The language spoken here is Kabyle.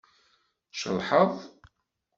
Tceḍḥeḍ.